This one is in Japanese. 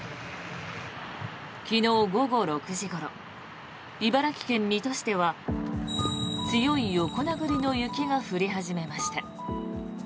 昨日午後６時ごろ茨城県水戸市では強い横殴りの雪が降り始めました。